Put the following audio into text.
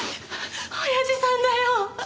親父さんだよ。